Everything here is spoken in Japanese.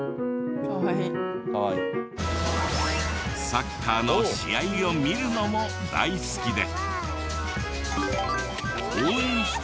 サッカーの試合を見るのも大好きで。